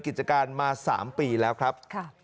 กิจการมา๓ปีแล้วครับ